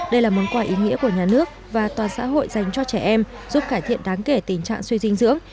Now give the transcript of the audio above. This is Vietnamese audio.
đây là món quà ý nghĩa của nhà nước và toàn xã hội dành cho trẻ em giúp cải thiện đáng kể tình trạng suy dinh dưỡng